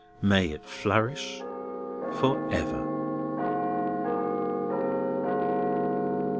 May it flourish for ever!